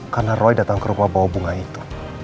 karena roy datang ke rumah bawa bunga itu